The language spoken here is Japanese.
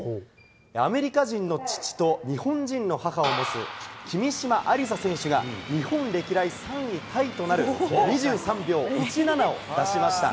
アメリカ人の父と日本人の母を持つ、君嶋愛梨沙選手が、日本歴代３位タイとなる、２３秒１７を出しました。